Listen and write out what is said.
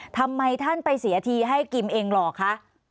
ทำไมท่านไปเสียทีให้กิมเองหรอคะ